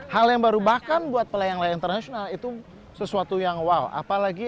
hal yang baru bahkan buat pelayan pelayan transisional itu sesuatu yang wow apalagi